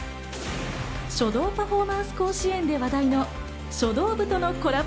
書道パフォーマンス甲子園で話題の書道部とのコラボ